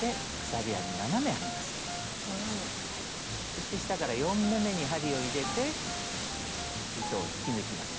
そして下から４目めに針を入れて糸を引き抜きます。